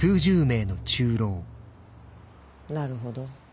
なるほど。